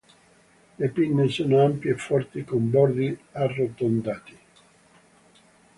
Le pinne sono ampie e forti, con bordi arrotondati.